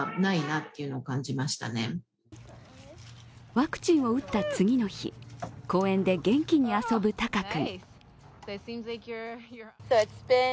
ワクチンを打った次の日、公園で元気に遊ぶ鷹君。